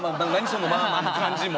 そのまあまあな感じも。